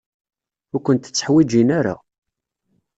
Ur kent-tteḥwijin ara.